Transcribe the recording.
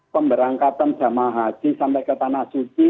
pemberangkatan jamaah haji sampai ke tanah suci